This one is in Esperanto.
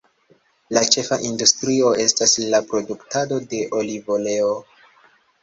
La ĉefa industrio estas la produktado de olivoleo.